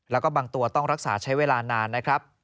แล้วก็บางตัวต้องรักษาใช้เวลานานนะครับ